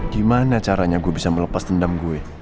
gimana caranya gue bisa melepas dendam gue